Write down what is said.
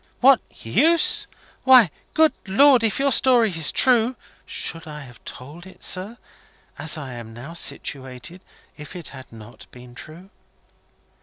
"What use? Why, good Lord! if your story is true " "Should I have told it, sir, as I am now situated, if it had not been true?"